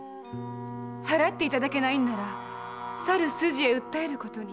払っていただけないんならさる筋へ訴えることに。